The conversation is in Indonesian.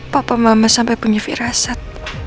papa mama sampai punya firasat